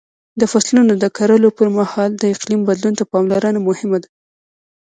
د فصلونو د کرلو پر مهال د اقلیم بدلون ته پاملرنه مهمه ده.